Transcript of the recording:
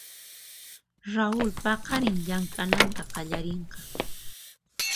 Raul paqarin llamk'ananta qallarinqa.